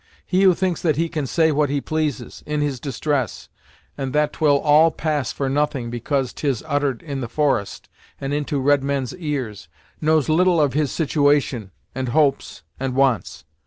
He who thinks that he can say what he pleases, in his distress, and that twill all pass for nothing, because 'tis uttered in the forest, and into red men's ears, knows little of his situation, and hopes, and wants.